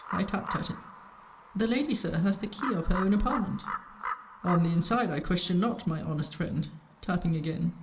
I tapped at it. The lady, Sir, has the key of her own apartment. On the inside, I question not, my honest friend; tapping again.